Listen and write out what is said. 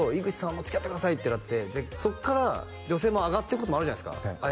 もうつきあってくださいってなってでそっから女性も上がっていくこともあるじゃないですかあっ